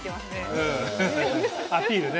うんアピールね。